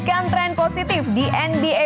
yang ke jam economiknya